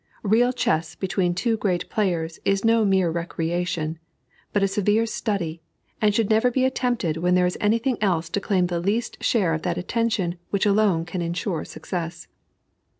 Real chess between two great players is no mere recreation, but a severe study, and should never be attempted when there is any thing else to claim the least share of that attention which alone can insure success.